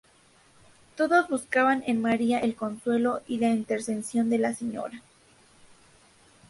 Todos buscaban en María el consuelo y la intercesión de la Señora.